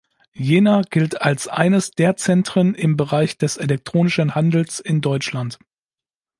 Jena gilt als eines der Zentren im Bereich des Elektronischen Handels in Deutschland.